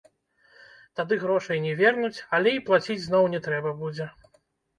Тады грошай не вернуць, але і плаціць зноў не трэба будзе.